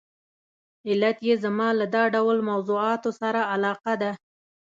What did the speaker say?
علت یې زما له دا ډول موضوعاتو سره علاقه ده.